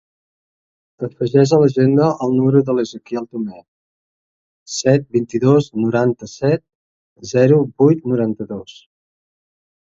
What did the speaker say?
Afegeix a l'agenda el número de l'Ezequiel Tome: set, vint-i-dos, noranta-set, zero, vuit, noranta-dos.